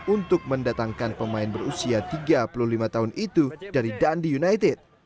untuk mendatangkan pemain berusia tiga puluh lima tahun itu dari dandi united